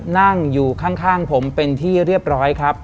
นั่งอยู่ข้างผมเป็นที่เรียบร้อยครับ